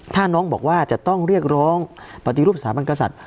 ถ้าน้องบอกว่าจะต้องเรียกร้องปฏิรูปสถาบันกษัตริย